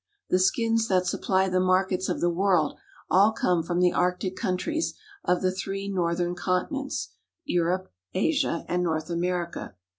The skins that supply the markets of the world all come from the arctic countries of the three northern continents, Europe, Asia and North America.